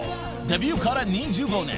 デビューから２５年］